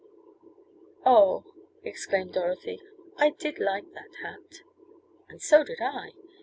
"Oh!" exclaimed Dorothy. "I did like that hat!" "And so did I!"